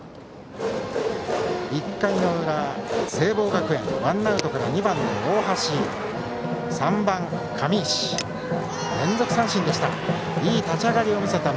１回の裏、聖望学園ワンアウトから２番の大橋３番上石、連続三振でした。